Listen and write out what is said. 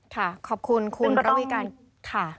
ขอบคุณคุณระวิการค่ะ